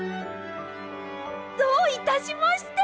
どういたしまして！